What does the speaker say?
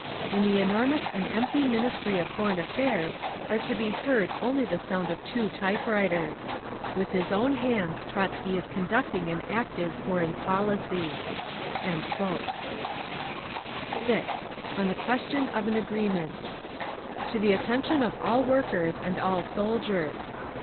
"In the enormous and empty Ministry of Foreign Affairs are to be heard only the sound of two typewriters. With his own hands Trotzky is conducting an active foreign policy…." 6. ON THE QUESTION OF AN AGREEMENT To the Attention of All Workers and All Soldiers.